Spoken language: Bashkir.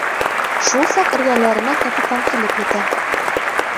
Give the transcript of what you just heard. Шул саҡ эргәләренә капитан килеп етә: